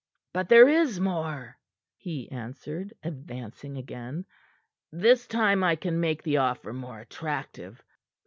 "But there is more," he answered, advancing again. "This time I can make the offer more attractive.